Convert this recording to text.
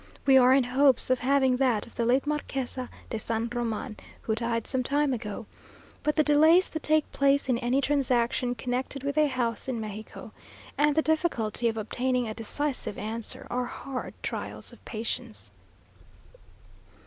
We are in hopes of having that of the late Marquesa de San Roman, who died some time ago, but the delays that take place in any transaction connected with a house in Mexico, and the difficulty of obtaining a decisive answer, are hard trials of patience.